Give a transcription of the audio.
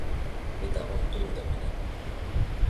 Mitä on tunteminen?